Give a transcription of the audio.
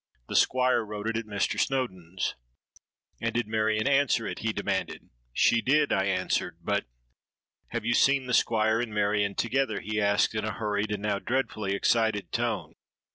The Squire wrote it at Mr. Snowdon's.'—'And did Marion answer it?' he demanded.—'She did,' I answered: 'but——'.—'Have you ever seen the Squire and Marion together?' he asked in a hurried and now dreadfully excited tone.